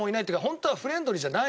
ホントはフレンドリーじゃない。